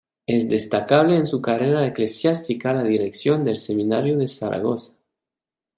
Es destacable en su carrera eclesiástica la dirección del Seminario de Zaragoza.